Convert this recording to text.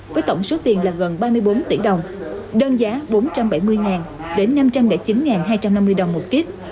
với tổng số tiền là gần ba mươi bốn tỷ đồng đơn giá bốn trăm bảy mươi đến năm trăm linh chín hai trăm năm mươi đồng một kiếp